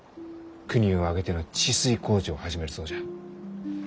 国を挙げての治水工事を始めるそうじゃ。